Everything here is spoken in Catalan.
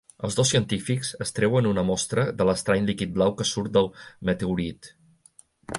Els dos científics extreuen una mostra de l'estrany líquid blau que surt del meteorit.